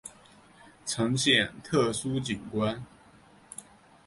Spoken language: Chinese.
呈现特殊景观